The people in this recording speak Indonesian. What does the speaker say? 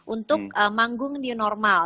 untuk manggung new normal